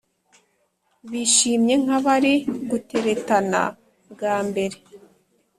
bishimye nkabari guteretana bwa mbere